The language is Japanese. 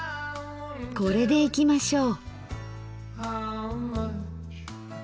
これでいきましょう。